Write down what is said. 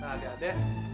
nah lihat ya